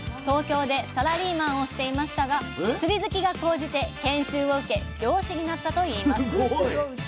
東京でサラリーマンをしていましたが釣り好きが高じて研修を受け漁師になったといいますえ？